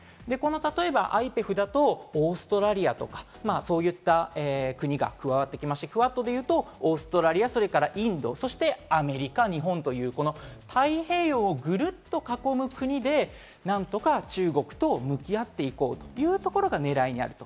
例えばＩＰＥＦだとオーストラリアとかそういった国が加わってきますし、クアッドでいうとオーストラリア、それからインド、そしてアメリカ、日本という太平洋をぐるっと囲む国で何とか中国と向き合って行こうというところが狙いにある。